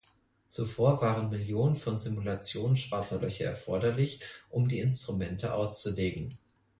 Zuvor waren Millionen von Simulationen Schwarzer Löcher erforderlich um die Instrumente auszulegen.